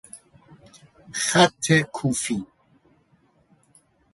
خط کوفی